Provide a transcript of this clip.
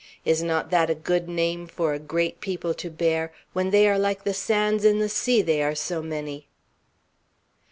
Is not that a good name for a great people to bear, when they are like the sands in the sea, they are so many?"